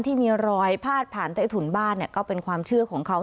ที่มีรอยพาดผ่านใต้ถุนบ้านก็เป็นความเชื่อของเขา